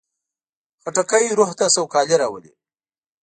خټکی روح ته سوکالي راولي.